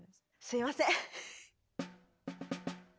すいません。